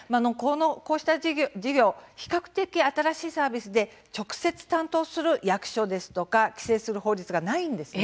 この事業、比較的新しいサービスで直接担当する役所や規制する法律がないんです。